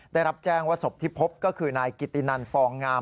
ได้รับแจ้งว่าศพที่พบก็คือนายกิตินันฟองงาม